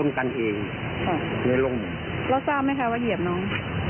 แล้วทราบไหมคะว่าเหยียบน้อง